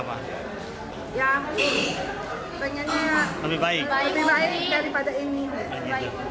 ya pengennya lebih baik daripada ini